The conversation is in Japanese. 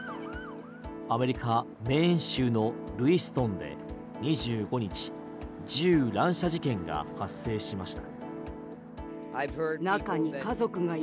アメリカ・メーン州のルイストンで２５日銃乱射事件が発生しました。